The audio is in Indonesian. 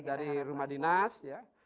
dari rumah dinas ya